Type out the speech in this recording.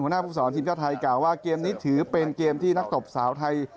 หัวหน้าภูมิสวรรค์ทีมชาวไทยกล่าวว่าเกมนี้ถือเป็นเกมที่นักตบสาวไทย